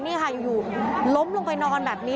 นี่ค่ะอยู่ล้มลงไปนอนแบบนี้